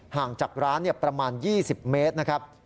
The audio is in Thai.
ห่างจากร้านประมาณ๒๐เมตรนะครับ